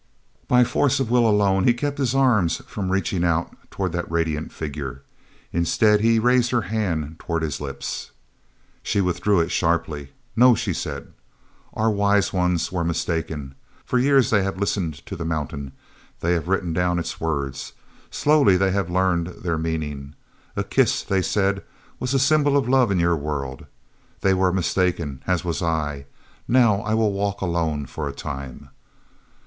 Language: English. By force of will alone he kept his arms from reaching out toward that radiant figure. Instead, he raised her hand toward his lips. She withdrew it sharply. "No," she said, "our Wise Ones were mistaken. For years they have listened to the mountain; they have written down its words. Slowly they have learned their meaning. A kiss, they said, was a symbol of love in your world. They were mistaken—as was I. Now I will walk alone for a time."